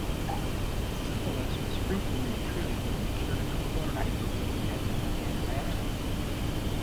Syphilis was frequently treated with mercuric chloride before the advent of antibiotics.